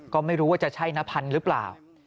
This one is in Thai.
ก็ไม่รู้ว่าจะใช่นพันธุ์หรือเปล่า